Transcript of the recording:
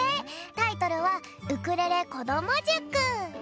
タイトルは「ウクレレこどもじゅく」。